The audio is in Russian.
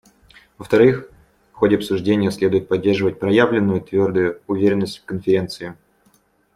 Во-вторых, в ходе обсуждения следует поддерживать проявленную твердую уверенность в Конференции.